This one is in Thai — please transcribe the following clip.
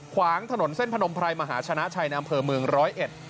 ขวางถนนเส้นพนมไพรมหาชนะชัยในอำเภอเมืองร้อยเอ็ด